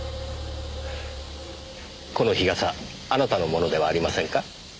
この日傘あなたのものではありませんか？